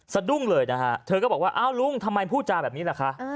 สะดุ้งเลยนะฮะเธอก็บอกว่าอ้าวลุงทำไมพูดจาแบบนี้ล่ะคะ